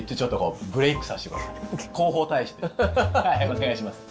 お願いします。